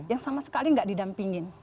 yang sama sekali nggak didampingin